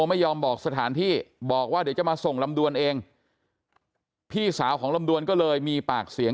ไม่ยอมบอกสถานที่บอกว่าเดี๋ยวจะมาส่งลำดวนเองพี่สาวของลำดวนก็เลยมีปากเสียง